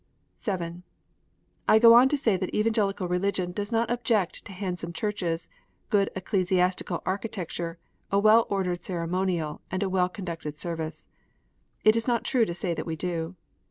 (7) I go on to say that Evangelical Religion does not object to handsome churches, good ecclesiastical architecture, a well ordered ceremonial, and a well conducted service. It is not true to say that we do.